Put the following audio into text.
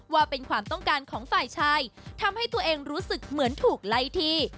ว่าเป็นความต้องการของฝ่ายชายทำให้ตัวเองรู้สึกเหมือนถูกไล่ที